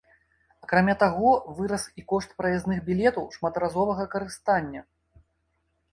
Акрамя таго, вырас і кошт праязных білетаў шматразовага карыстання.